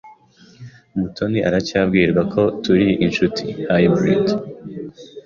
Mutoni aracyibwira ko turi inshuti. (Hybrid)